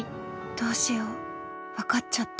どうしよう分かっちゃった。